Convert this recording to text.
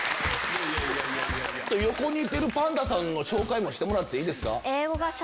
横にいてるパンダさんの紹介もしてもらっていいですか？